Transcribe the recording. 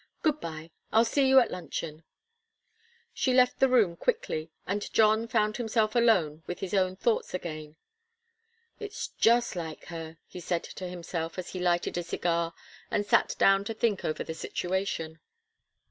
Good bye. I'll see you at luncheon." She left the room quickly, and John found himself alone with his own thoughts again. "It's just like her," he said to himself, as he lighted a cigar and sat down to think over the situation.